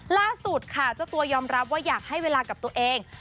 ล่าสุดค่ะเจ้าตัวยอมรับว่าอยากให้เวลากับตัวเอง